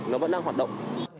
nó vẫn đang hoạt động